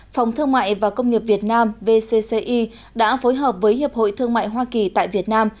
phòng thương mại và công nghiệp việt nam vcci đã phối hợp với hiệp hội thương mại hoa kỳ tại việt nam